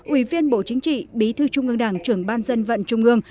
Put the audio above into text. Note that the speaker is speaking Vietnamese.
ủy viên bộ chính trị bí thư trung ương đảng trưởng ban dân vận trung ương